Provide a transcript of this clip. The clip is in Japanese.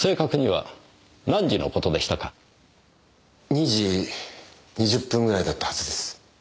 ２時２０分ぐらいだったはずです。